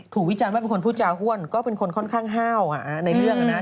วิจารณ์ว่าเป็นคนพูดจาห้วนก็เป็นคนค่อนข้างห้าวในเรื่องนะ